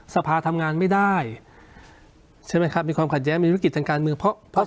สภาทำงานไม่ได้มีความขาดแย้มมีวิกฤติทางการเมือง